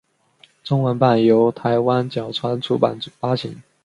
中文版由台湾角川出版发行。